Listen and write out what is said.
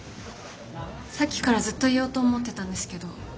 さっきからずっと言おうと思ってたんですけど。